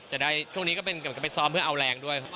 จะได้ช่วงนี้ก็เป็นไปซ้อมเพื่อจะเอาแรงด้วย